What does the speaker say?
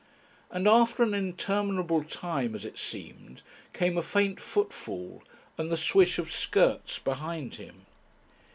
And after an interminable time, as it seemed, came a faint footfall and the swish of skirts behind him.